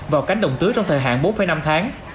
vào cánh đồng tưới trong thời hạn bốn năm tháng